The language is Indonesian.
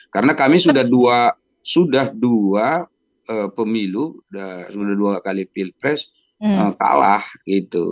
karena kami sudah dua pemilu sudah dua kali pilpres kalah gitu